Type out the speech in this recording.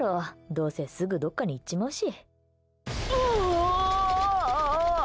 どうせすぐどっかに行っちまうし。